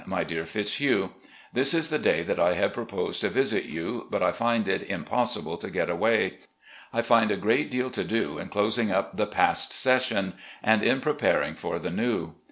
My Dear Fitzhugh: This is the day that I had proposed to visit you, but I find it impossible to get away. I find a great deal to do in closing up the past session and in THE NEW HOME IN LEXINGTON 359 preparing for the new.